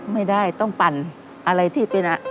ไม่ได้ต้องปั่นอะไรที่เป็น